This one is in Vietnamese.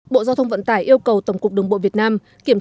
bộ giao thông vận tải yêu cầu tổng cục đồng bộ việt nam